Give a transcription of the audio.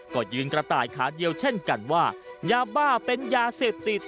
ก็ยืนกระต่ายขาเดียวเช่นกันว่ายาบ้าเป็นยาเสพติด